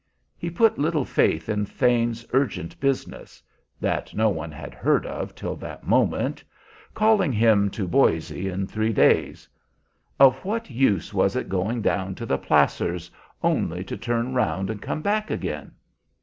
He put little faith in Thane's urgent business (that no one had heard of till that moment) calling him to Boise in three days. Of what use was it going down to the placers only to turn round and come back again?